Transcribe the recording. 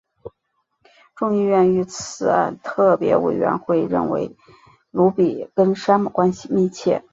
众议院遇刺案特别委员会认为鲁比跟山姆关系密切。